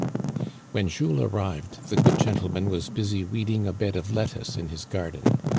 When Jules arrived, the good gentleman was busy weeding a bed of lettuce in his garden.